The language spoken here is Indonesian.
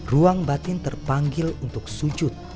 ruang batin terpanggil untuk sujud